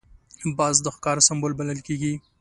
باز د ښکار سمبول بلل کېږي